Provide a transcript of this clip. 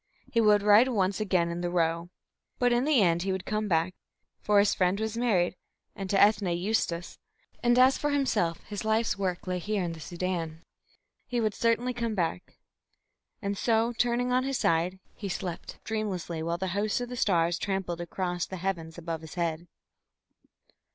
He would ride once again in the Row. But in the end he would come back. For his friend was married, and to Ethne Eustace, and as for himself his life's work lay here in the Soudan. He would certainly come back. And so, turning on his side, he slept dreamlessly while the hosts of the stars trampled across the heavens above his head.